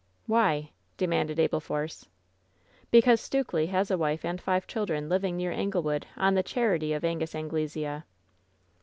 "Why?" demanded Abel Force. "Because Stukely has a wife and five children living near Anglewood on the charity of Angus Anglesea."